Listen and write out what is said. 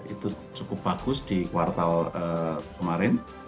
itu cukup bagus di kuartal kemarin